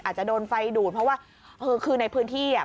อาจจะโดนไฟดูดเพราะว่าคือในพื้นที่อ่ะ